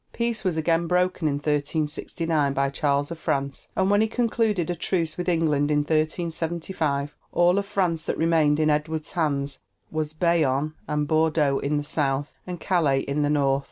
Peace was again broken in 1369 by Charles of France, and when he concluded a truce with England in 1375 all of France that remained in Edward's hands was Bayonne and Bordeaux in the south, and Calais in the north.